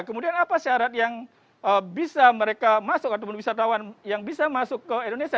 kemudian apa syarat yang bisa mereka masuk ataupun wisatawan yang bisa masuk ke indonesia